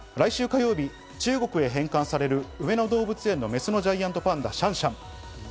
来週火曜日、中国へ返還される、上野動物園のメスのジャイアントパンダのシャンシャン。